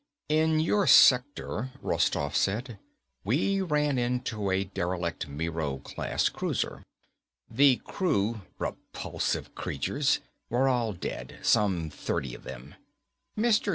"In your sector," Rostoff said, "we ran into a derelict Miro class cruiser. The crew repulsive creatures were all dead. Some thirty of them. Mr.